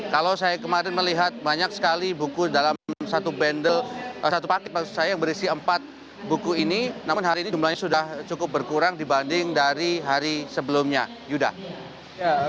kalau saya kemarin melihat banyak sekali buku dalam satu bendel satu paket yang berisi empat buku ini namun hari ini jumlahnya sudah cukup berkurang dibanding dari hari sebelumnya yuda